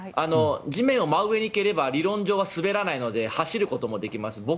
地面を真上に蹴れば理論上は滑らないので走ることもできます。